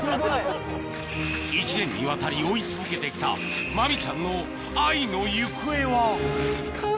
１年にわたり追い続けて来たマミちゃんの愛の行方は？